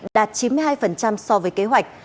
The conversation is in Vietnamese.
đạt chín mươi hai so với kế hoạch